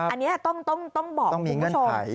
อันนี้ต้องบอกคุณผู้ชมต้องมีเงื่อนไข